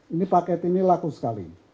ini paket ini laku sekali